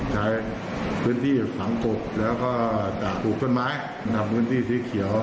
ใช้พื้นที่ขามกลบแล้วก็ได้ปลูกกล้อนไม้นะพื้นที่ศีลเขียว